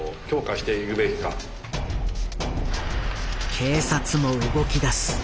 警察も動きだす。